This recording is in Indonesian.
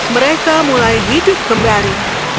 mereka mulai hidup kembali